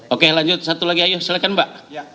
oke lanjut satu lagi ayo silakan mbak